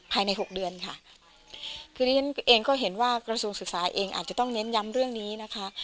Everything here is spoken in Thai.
หกเดือนค่ะคือที่ฉันเองก็เห็นว่ากระทรวงศึกษาเองอาจจะต้องเน้นย้ำเรื่องนี้นะคะ